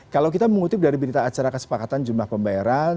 kalau kita mengutip dari berita acara kesepakatan jumlah pembayaran